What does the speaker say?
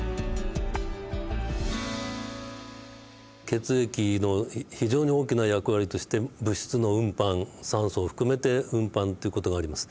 血液の非常に大きな役割として物質の運搬酸素を含めて運搬という事があります。